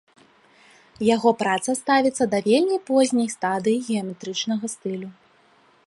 Яго праца ставіцца да вельмі позняй стадыі геаметрычнага стылю.